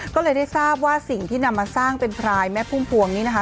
ก็เลยได้ทราบว่าสิ่งที่นำมาสร้างเป็นพรายแม่พุ่มพวงนี้นะคะ